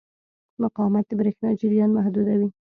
مقاومت د برېښنا جریان محدودوي.